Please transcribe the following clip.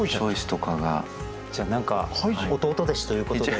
じゃあ何か弟弟子ということで。